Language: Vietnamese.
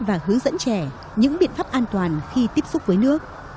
và hướng dẫn trẻ những biện pháp an toàn khi tiếp xúc với nước